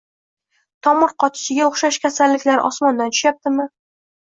tomir qotishiga o'xshash kasalliklar osmondan tushyaptimi?